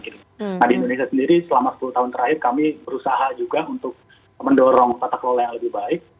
nah di indonesia sendiri selama sepuluh tahun terakhir kami berusaha juga untuk mendorong tata kelola yang lebih baik